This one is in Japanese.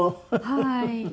はい。